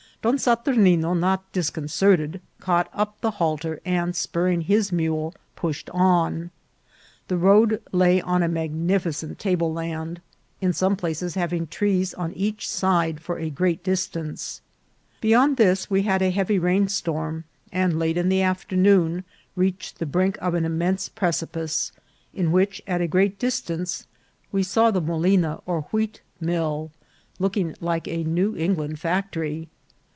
Don Saturnino, not discon certed, caught up the halter, and, spurring his mule, pushed on. The road lay on a magnificent table land, in some places having trees on each side for a great distance. Beyond this we had a heavy rain storm, and late in the afternoon reached the brink of an im mense precipice, in which, at a great distance, we A MOLINA. 145 saw the molina or wheat mill, looking like a New England factory.